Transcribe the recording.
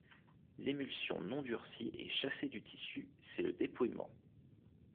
L'émulsion non durcie est chassée du tissu, c'est le dépouillement.